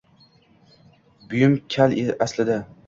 Buyam kam aslida.